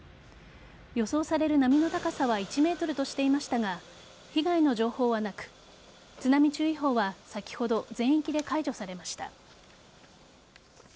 予想される波の高さは１ｍとしていましたが被害の情報はなく津波注意報は先ほど全域で解除されました。